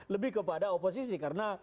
lebih kepada oposisi karena